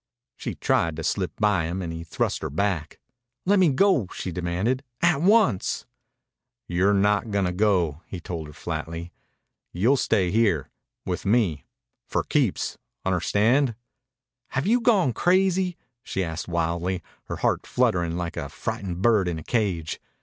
She tried to slip by him and he thrust her back. "Let me go!" she demanded. "At once!" "You're not gonna go," he told her flatly. "You'll stay here with me. For keeps. Un'erstand?" "Have you gone crazy?" she asked wildly, her heart fluttering like a frightened bird in a cage.